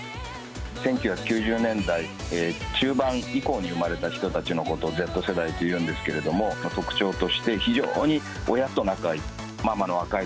１９９０年代中盤以降に生まれた人たちのことをＺ世代というんですけれども、特徴として、非常に親と仲がいい。